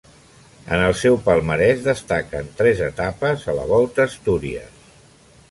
En el seu palmarès destaquen tres etapes a la Volta a Astúries.